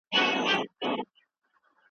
زده کړه په ماشومتوب کي ډېره ګټوره ده.